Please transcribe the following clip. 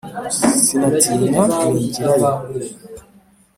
sinatinya nigira yo